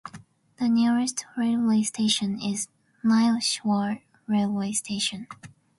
The nearest railway station is Nileshwar railway station.